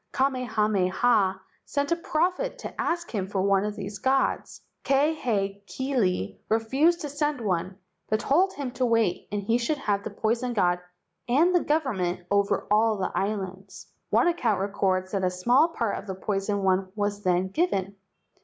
Kamehameha sent a prophet to ask him for one of these gods. Kahekili refused to send KALAI PAHOA, THE POISON GOD 115 one, but told him to wait and he should have the poison god and the government over all the islands. One account records that a small part from the poison one was then given.